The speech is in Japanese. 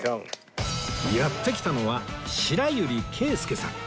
やって来たのは白百合慶祐さん